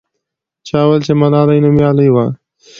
چا وویل چې ملالۍ نومیالۍ وه.